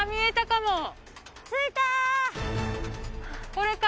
これか？